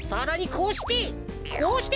こうしてこうして。